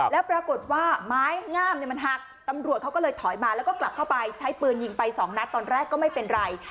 แล้วปรากฏว่าไม้งามมันหักตำรวจเขาก็เลยถอยมาแล้วก็กลับเข้าไปใช้ปืนยิงไปสองนัดตอนแรกก็ไม่เป็นไร